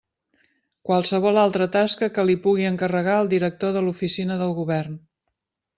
Qualsevol altra tasca que li pugui encarregar el director de l'Oficina del Govern.